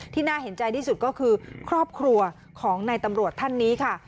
น่าเห็นใจที่สุดก็คือครอบครัวของนายตำรวจท่านนี้ค่ะ